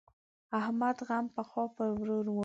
احمد غم پخوا پر ورور وو.